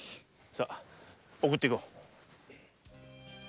さ送っていこう。